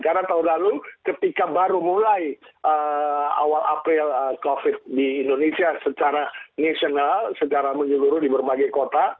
karena tahun lalu ketika baru mulai awal april covid di indonesia secara nasional secara menyeluruh di berbagai kota